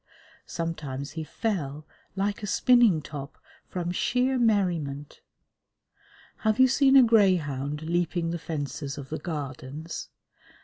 Sometimes he fell, like a spinning top, from sheer merriment. Have you seen a greyhound leaping the fences of the Gardens?